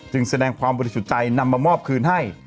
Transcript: แสดงความบริสุทธิ์ใจนำมามอบคืนให้